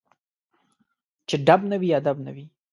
چي ډب نه وي ، ادب نه وي